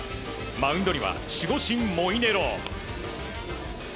マウンドには守護神モイネロ。